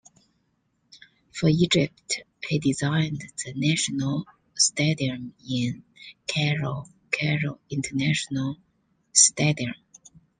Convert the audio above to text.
For Egypt, he designed the National Stadium in Cairo - Cairo International Stadium.